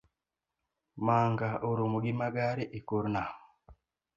Manga oromo gi magare ekor nam